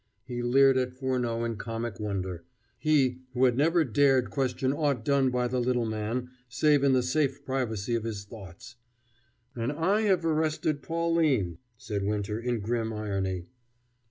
He leered at Furneaux in comic wonder he, who had never dared question aught done by the little man, save in the safe privacy of his thoughts. "And I have arrested Pauline," said Winter in grim irony.